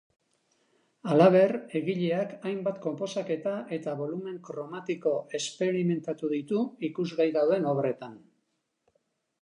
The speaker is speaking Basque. Halaber, egileak hainbat konposaketa eta bolumen kromatiko esperimentatu ditu ikusgai dauden obretan.